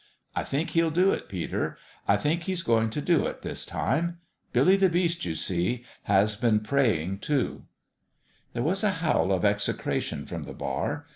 I think He'll do it, Peter. I think He's 302 A MIRACLE at PALE PETER'S going to do it this time. Billy the Beast, you see, has been praying, too." There was a howl of execration from the bar.